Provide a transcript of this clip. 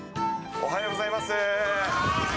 おはようございます。